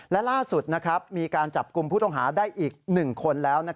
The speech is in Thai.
และล่าสุดมีการจับกลุ่มผู้ต้องหาได้อีก๑คนแล้ว